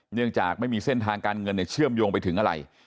เนื่องจากไม่มีเส้นทางการเงินเชื่อมโยงไปถึงอะไร